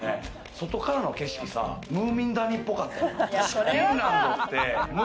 外からの景色、ムーミン谷っぽかった。